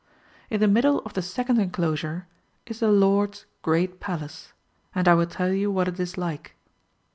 In the middle of the second enclosure is the Lord's Great Palace, and I will tell you what it is like.